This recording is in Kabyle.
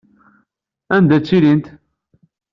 Anda ttilint?